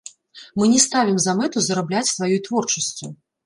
Мы не ставім за мэту зарабляць сваёй творчасцю.